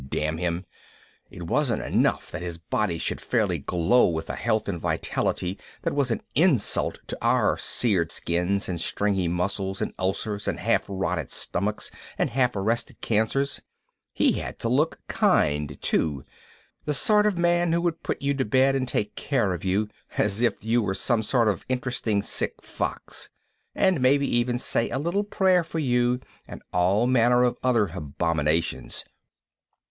damn him! It wasn't enough that his body should fairly glow with a health and vitality that was an insult to our seared skins and stringy muscles and ulcers and half rotted stomachs and half arrested cancers, he had to look kind too the sort of man who would put you to bed and take care of you, as if you were some sort of interesting sick fox, and maybe even say a little prayer for you, and all manner of other abominations.